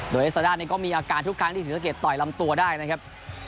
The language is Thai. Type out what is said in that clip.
โดยเอสซาด้านี่ก็มีอาการทุกครั้งที่ศรีสะเกดต่อยลำตัวได้นะครับ